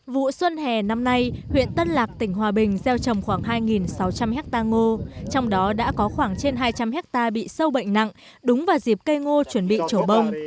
vụ xuân hè năm nay huyện tân lạc tỉnh hòa bình gieo trồng khoảng hai sáu trăm linh hectare ngô trong đó đã có khoảng trên hai trăm linh hectare bị sâu bệnh nặng đúng vào dịp cây ngô chuẩn bị trổ bông